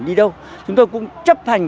đi đâu chúng tôi cũng chấp hành